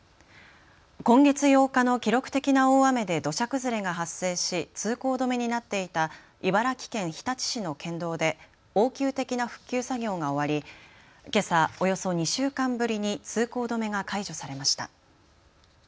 今月８日の記録的な大雨で土砂崩れが発生し通行止めになっていた茨城県日立市の県道で応急的な復旧作業が終わりけさ、およそ２週間ぶりに通行止めが解除されました。